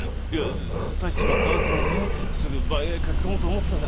刺しちまった後もねすぐ番屋へ駆け込もうと思ってたんだ。